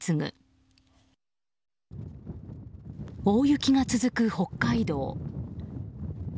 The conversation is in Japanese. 大雪が続く北海道。